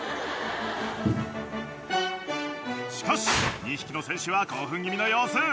しかし２匹の選手は興奮気味の様子。